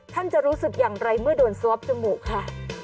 ท่านจะรู้สึกอย่างไรเมื่อโดนสวอปจมูกค่ะ